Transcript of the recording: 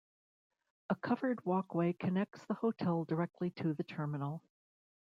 A covered walkway connects the hotel directly to the terminal.